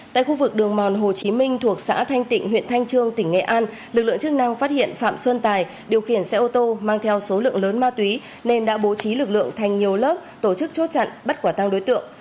tại khu vực đường mòn hồ chí minh thuộc xã thanh tịnh huyện thanh trương tỉnh nghệ an lực lượng chức năng phát hiện phạm xuân tài điều khiển xe ô tô mang theo số lượng lớn ma túy nên đã bố trí lực lượng thành nhiều lớp tổ chức chốt chặn bắt quả tăng đối tượng